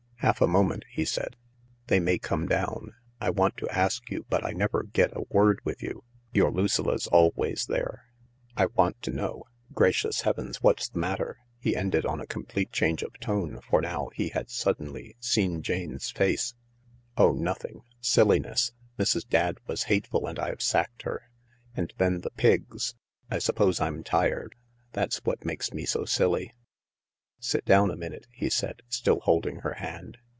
"Half a moment," he said; "they may come down. I want to ask you, but I never get a word with you — your Lucilla 's always there. I want to know ... Gracious heavens, what's the'matter !" he ended on a complete change of tone, for now he had suddenly seen Jane's face. THE LARK 195 " Oh, nothing — silliness. Mrs. Dadd was hateful and I've sacked her. And then those Pigs. I suppose I'm tired. That's what makes me so silly." "Sit down a minute," he said* still holding her hand.